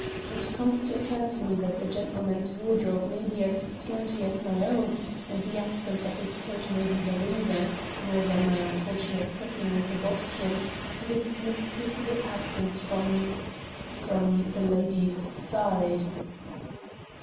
It comes to occur to me that the gentleman's wardrobe may be as scanty as my own, and the absence of his coat may be the reason, more than my unfortunate pricking with a bodkin, for his inexplicable absence from from the lady's side."